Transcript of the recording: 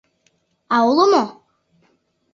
— А уло мо?